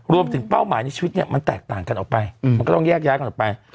เป้าหมายในชีวิตเนี่ยมันแตกต่างกันออกไปมันก็ต้องแยกย้ายกันออกไป